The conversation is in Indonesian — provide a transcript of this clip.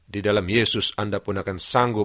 di dalam yesus anda pun akan sanggup